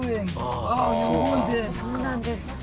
そうなんです。